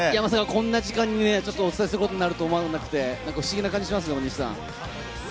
こんな時間にお伝えすることになるとは思わなくて不思議な感じがしますね。